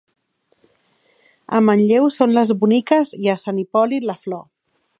A Manlleu són les boniques i a Sant Hipòlit la flor.